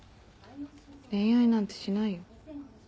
恋愛なんてしないよ。